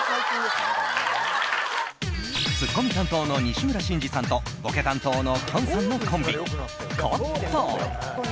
ツッコミ担当の西村真二さんとボケ担当のきょんさんのコンビコットン。